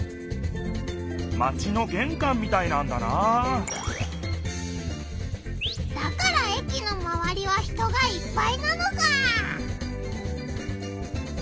マチのげんかんみたいなんだなだから駅のまわりは人がいっぱいなのか！